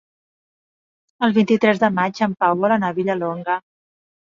El vint-i-tres de maig en Pau vol anar a Vilallonga.